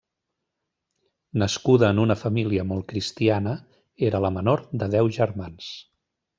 Nascuda en una família molt cristiana, era la menor de deu germans.